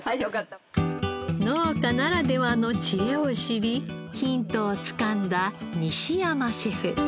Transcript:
農家ならではの知恵を知りヒントをつかんだ西山シェフ。